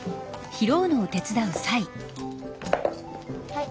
はい。